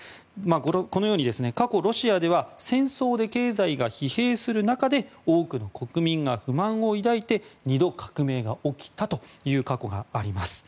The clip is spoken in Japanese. このように過去、ロシアでは戦争で経済が疲弊する中で多くの国民が不満を抱いて２度、革命が起きたという過去があります。